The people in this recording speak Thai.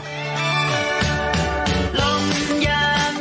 อืม